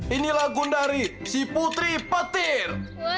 inilah gundari si putri petir